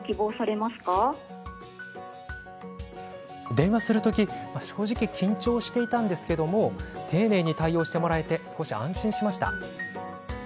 電話する時正直、緊張していたんですが丁寧に対応してもらえて少し安心しました。